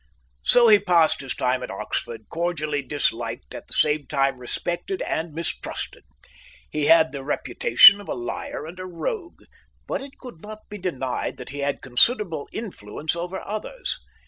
So he passed his time at Oxford, cordially disliked, at the same time respected and mistrusted; he had the reputation of a liar and a rogue, but it could not be denied that he had considerable influence over others.